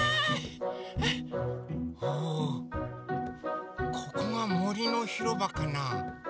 おおここがもりのひろばかな？